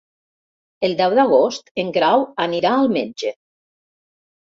El deu d'agost en Grau anirà al metge.